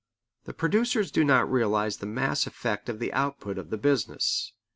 The producers do not realize the mass effect of the output of the business.